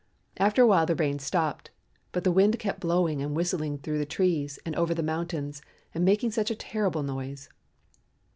After a while the rain stopped, but the wind kept blowing and whistling through the trees and over the mountains and making such a terrible noise.